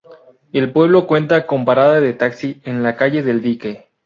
El pueblo cuenta con parada de taxi en la calle del Dique.